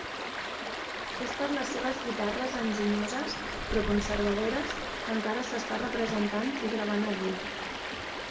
És per les seves guitarres enginyoses, però conservadores, que encara s'està representant i gravant avui.